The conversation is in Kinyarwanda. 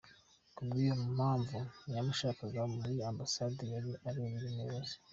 Kubw’iyo mpamvu, ntiyamushakaga muri ambasade yari abereye umuyobozi.